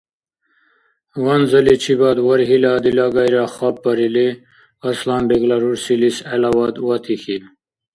Ванзаличибад варгьила дилагайра хапбарили, Арсланбегра рурсилис гӀелавад ватихьиб.